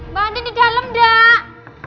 mbak andin di dalam mbak